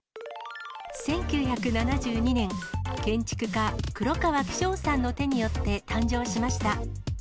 １９７２年、建築家、黒川紀章さんの手によって誕生しました。